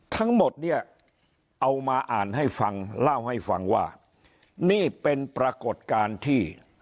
ทั้งหมดเนี่ยเอามาอ่านให้ฟังเล่าให้ฟังว่านี่เป็นปรากฏการณ์ที่